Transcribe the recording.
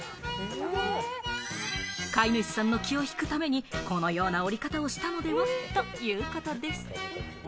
飼い主さんの気を引くために、このような降り方をしたのでは？ということです。